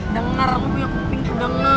dengar aku tuh yang pingsan